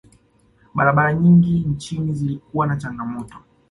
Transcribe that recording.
barabara nyingi nchini zilikuwa na changamoto